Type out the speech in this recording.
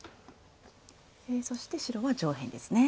そして白は上辺ですね。